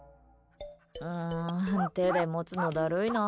手で持つのだるいな。